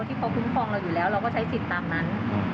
ที่เขาคุ้มครองเราอยู่แล้วเราก็ใช้สิทธิ์ตามนั้น